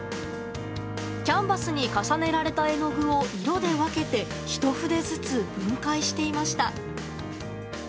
キャンバスに重ねられた絵の具を色で分けてひと筆ずつ分解していました。